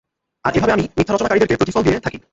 আর এভাবে আমি মিথ্যা রচনাকারীদেরকে প্রতিফল দিয়ে থাকি।